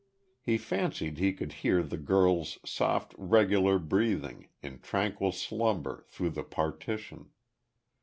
He fancied he could hear the girl's soft, regular breathing, in tranquil slumber, through the partition.